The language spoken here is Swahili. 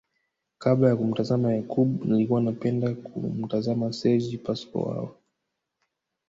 Kabla ya kumtazama Yakub nilikuwa napenda kumtazama Sergi Paschal Wawa